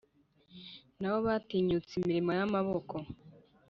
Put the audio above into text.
Nabo batinyutse imirimo y’amaboko